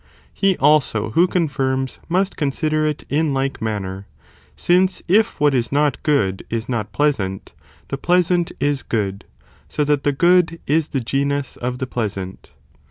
He also who confirms, must consider it in like manner, since if what is not good is not pleasant, the pleasant is good, so that the good is the genus of the pleasant.